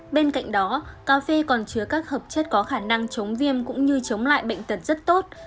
bên cạnh đó cà phê còn chứa các hợp chất có khả năng chống viêm cũng như chống lại bệnh tật rất tốt